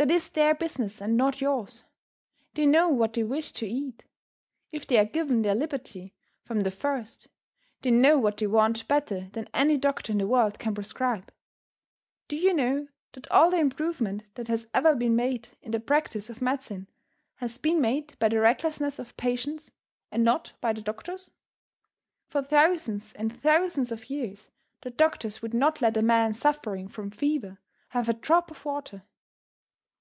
That is their business and not yours. They know what they wish to eat. If they are given their liberty from the first, they know what they want better than any doctor in the world can prescribe. Do you know that all the improvement that has ever been made in the practice of medicine has been made by the recklessness of patients and not by the doctors? For thousands and thousands of years the doctors would not let a man suffering from fever have a drop of water.